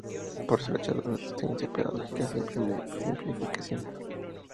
Por eso rechaza las adaptaciones pedagógicas y las simplificaciones.